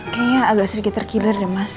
kayaknya agak sedikit terkilir deh mas